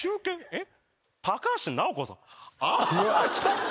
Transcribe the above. えっ？